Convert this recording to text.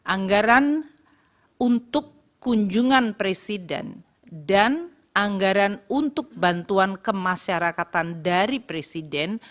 anggaran untuk kunjungan presiden dan anggaran untuk bantuan kemasyarakatan dari presiden